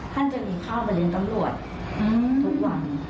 ท่านจะมีข้าวมาเลี้ยงตำรวจทุกที่วัน